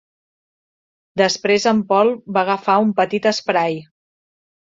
Després en Paul va agafar un petit esprai.